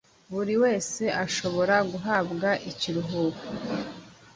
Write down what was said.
Buri wese ashobora guhabwa ikiruhuko